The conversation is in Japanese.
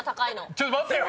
ちょっと待てよ！